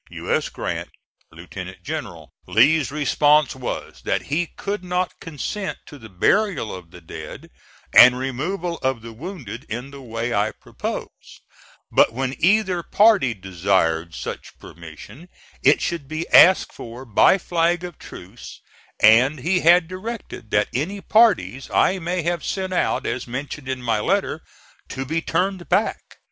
U. S. GRANT, Lieut. General. Lee's response was that he could not consent to the burial of the dead and removal of the wounded in the way I proposed, but when either party desired such permission it should be asked for by flag of truce and he had directed that any parties I may have sent out, as mentioned in my letter, to be turned back.